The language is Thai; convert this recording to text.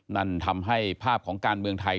นั่นทำให้ภาพของการเมืองไทย